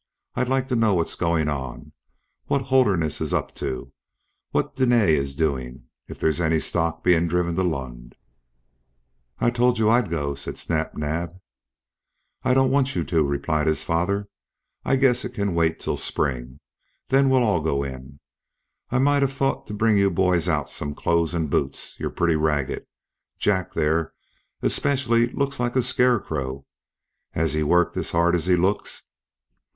I'd like to know what's going on, what Holderness is up to, what Dene is doing, if there's any stock being driven to Lund." "I told you I'd go," said Snap Naab. "I don't want you to," replied his father. "I guess it can wait till spring, then we'll all go in. I might have thought to bring you boys out some clothes and boots. You're pretty ragged. Jack there, especially, looks like a scarecrow. Has he worked as hard as he looks?"